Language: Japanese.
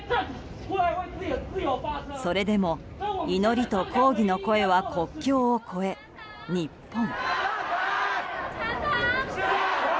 それでも祈りと抗議の声は国境を越え日本。